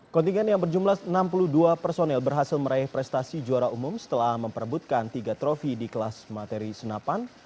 kontingen yang berjumlah enam puluh dua personel berhasil meraih prestasi juara umum setelah memperebutkan tiga trofi di kelas materi senapan